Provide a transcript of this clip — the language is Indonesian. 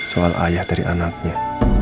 soal ayah dari anaknya